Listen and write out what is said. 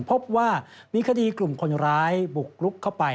พบว่ามีคดีกลุ่มคนร้ายบุกรุกเข้าไป